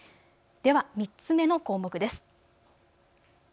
では３つ目の項目です。